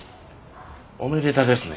おめでたですね。